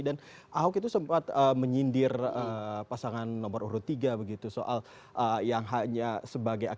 dan ahok itu sempat menyindir pasangan nomor tiga begitu soal yang hanya sebagai